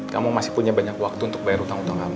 kamu masih punya banyak waktu untuk bayar utang utang kami